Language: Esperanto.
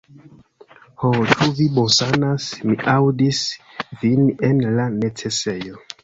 Ho, ĉu vi bonsanas? Mi aŭdis vin en la necesejo!